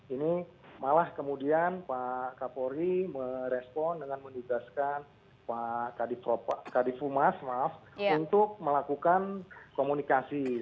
ini malah kemudian pak kapolri merespon dengan menugaskan pak kadifumas maaf untuk melakukan komunikasi